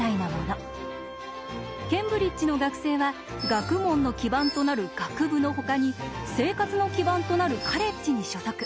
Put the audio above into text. ケンブリッジの学生は学問の基盤となる学部のほかに生活の基盤となるカレッジに所属。